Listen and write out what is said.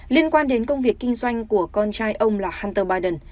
liên quan đến công việc kinh doanh của con trai ông là hunter biden